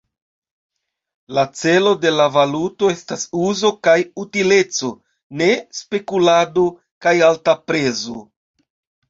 La celo de la valuto estas uzo kaj utileco, ne spekulado kaj alta prezo.